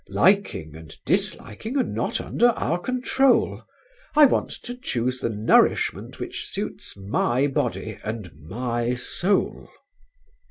Liking and disliking are not under our control. I want to choose the nourishment which suits my body and my soul."